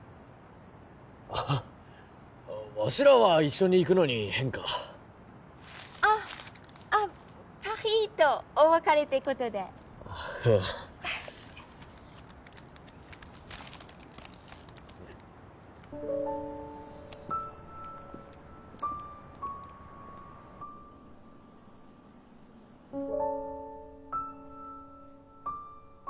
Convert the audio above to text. ああわしらは一緒に行くのに変かあッパリとお別れってことであッうんうん